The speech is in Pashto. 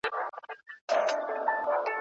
زموږ په لمبه به پردۍ شپې روڼېږي